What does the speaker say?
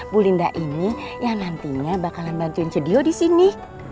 bu linda ini yang nantinya bakalan bantuin cediyo disini